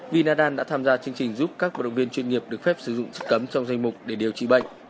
vì nadal đã tham gia chương trình giúp các vật động viên chuyên nghiệp được phép sử dụng chất cấm trong danh mục để điều trị bệnh